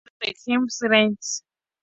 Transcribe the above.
Reynolds, amigo de John Keats.